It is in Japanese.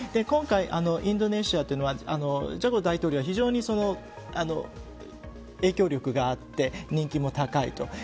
今回、インドネシアはジョコ大統領が、非常に影響力があって、人気も高いと。